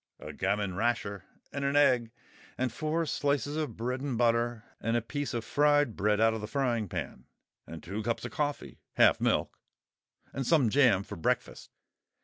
A gammon rasher and an egg and four slices of bread and butter and a piece of fried bread out of the frying pan and two cups of coffee—half milk—and some jam for breakfast.